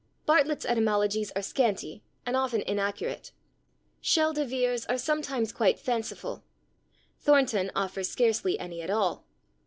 Bartlett's etymologies are scanty and often inaccurate; Schele de Vere's are sometimes quite fanciful; Thornton offers scarcely any at all.